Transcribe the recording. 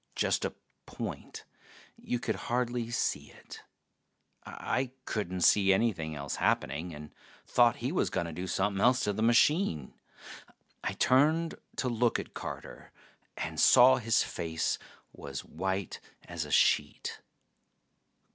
Just a point; you could hardly see it. I couldn't see anything else happening, and thought he was gonna do somepin' else to the machine. I turned to look at Carter, and saw his face was white as a sheet.